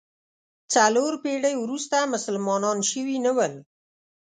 څلور پېړۍ وروسته مسلمانان شوي نه ول.